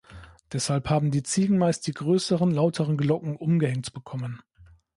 Deshalb haben die Ziegen meist die größeren, lauteren Glocken umgehängt bekommen.